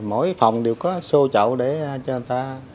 mỗi phòng đều có xô chậu để cho người ta